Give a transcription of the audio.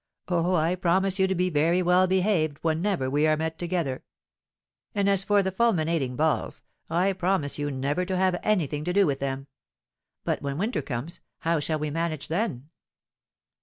"Oh, I promise you to be very well behaved whenever we are met together; and as for the fulminating balls, I promise you never to have anything to do with them; but when winter comes, how shall we manage then?"